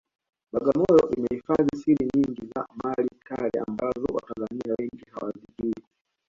Bagamoyo imehifadhi siri nyingi za mali kale ambazo watanzania wengi hawazijui